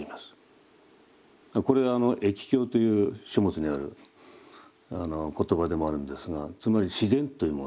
これは「易経」という書物にある言葉でもあるんですがつまり自然というもの